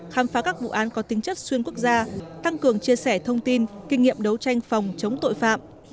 khám phá các vụ án có tính chất xuyên quốc gia tăng cường chia sẻ thông tin kinh nghiệm đấu tranh phòng chống tội phạm